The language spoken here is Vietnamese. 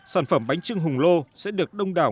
sản phẩm bánh trưng hùng lô sẽ được đông đảo